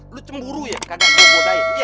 lu cemburu ya kagak digodein iya